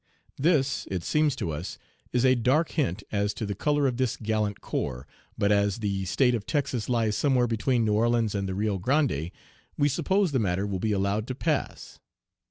This, it seems to us, is a dark hint as to the color of this gallant corps, but as the State of Texas lies somewhere between New Orleans and the Rio Grande, we suppose the matter will be allowed to pass.